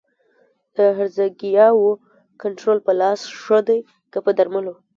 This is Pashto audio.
د هرزه ګیاوو کنټرول په لاس ښه دی که په درملو؟